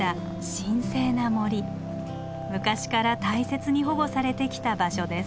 昔から大切に保護されてきた場所です。